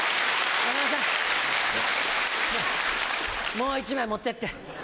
もう１枚持ってって。